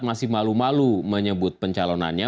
masih malu malu menyebut pencalonannya